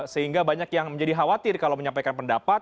sehingga banyak yang menjadi khawatir kalau menyampaikan pendapat